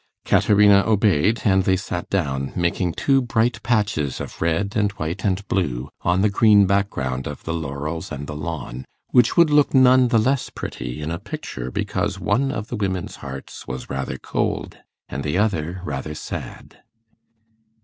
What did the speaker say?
Caterina obeyed, and they sat down, making two bright patches of red and white and blue on the green background of the laurels and the lawn, which would look none the less pretty in a picture because one of the women's hearts was rather cold and the other rather sad.